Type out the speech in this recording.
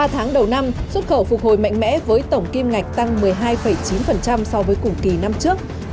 ba tháng đầu năm xuất khẩu phục hồi mạnh mẽ với tổng kim ngạch tăng một mươi hai chín so với cùng kỳ năm trước